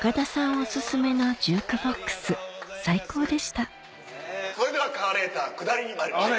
お薦めのジュークボックス最高でしたそれではカーレーター下りに参りましょう。